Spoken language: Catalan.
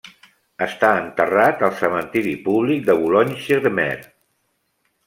Està enterrat al cementiri públic de Boulogne-sur-Mer.